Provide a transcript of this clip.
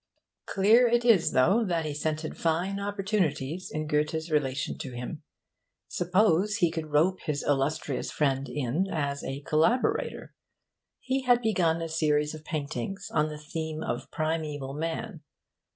Clear it is, though, that he scented fine opportunities in Goethe's relation to him. Suppose he could rope his illustrious friend in as a collaborator! He had begun a series of paintings on the theme of primaeval man.